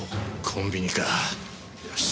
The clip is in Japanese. コンビニかよし。